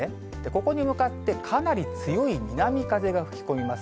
ここに向かって、かなり強い南風が吹き込みます。